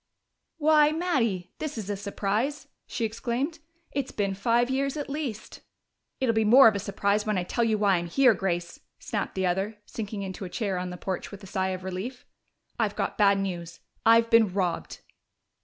"Why, Mattie, this is a surprise!" she exclaimed. "It's been five years at least " "It'll be more of a surprise when I tell you why I'm here, Grace," snapped the other, sinking into a chair on the porch with a sigh of relief. "I've got bad news. I've been robbed."